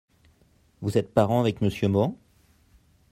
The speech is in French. Vous êtes parent avec M. Mohan ?